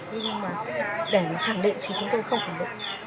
nhưng mà để mà khẳng định thì chúng tôi không khẳng định